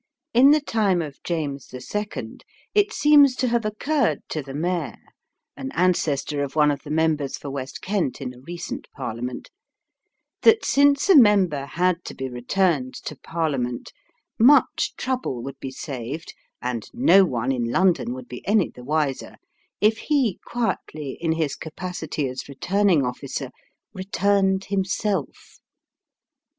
In the time of James II. it seems to have occurred to the Mayor (an ancestor of one of the members for West Kent in a recent Parliament), that since a member had to be returned to Parliament much trouble would be saved, and no one in London would be any the wiser, if he quietly, in his capacity as returning officer, returned himself.